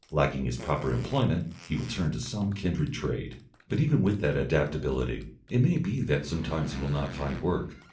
Lacking his proper employment, he will turn to some kindred trade. But even with that adaptability, it may be that sometimes he will not find work.